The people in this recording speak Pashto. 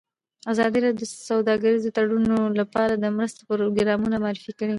ازادي راډیو د سوداګریز تړونونه لپاره د مرستو پروګرامونه معرفي کړي.